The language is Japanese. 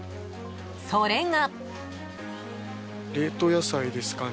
［それが］